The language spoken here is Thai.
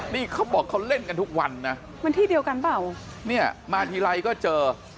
นี่เขาบอกเขาเล่นกันทุกวันนะมันที่เดียวกันเปล่าเนี่ยมาทีไรก็เจอ